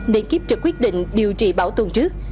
để kiếp trực quyết định điều trị bảo tồn trước